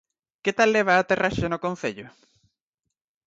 Que tal leva a aterraxe no Concello?